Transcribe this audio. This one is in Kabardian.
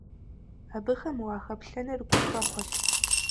Абыхэм уахэплъэныр гухэхъуэт!